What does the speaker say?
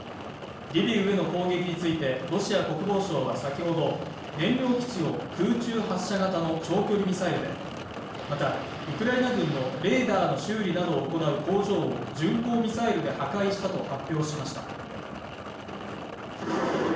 リビウへの攻撃について、ロシア国防省は先ほど燃料基地を、空中発射型の長距離ミサイルで、また、ウクライナ軍のレーダーの修理などを担う工場を巡航ミサイルで破壊したと発表しました。